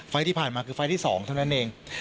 ที่ผ่านมาคือไฟล์ที่๒เท่านั้นเอง